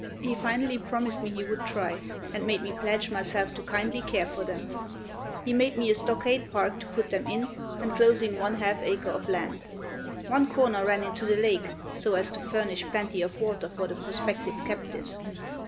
He finally promised me he would try, and made me pledge myself to kindly care for them. He made me a stockade park to put them in, enclosing one half acre of land. One corner ran into the lake, so as to furnish plenty of water for the prospective captives.